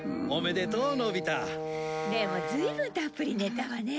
でもずいぶんたっぷり寝たわね。